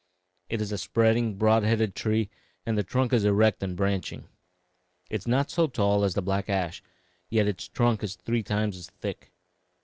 It is a spreading, broad headed tree, and the trunk is erect and branching. It is not so tall as the black ash, yet its trunk is three times as thick.